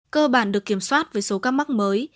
cơ bản được kiểm soát với số ca mắc mới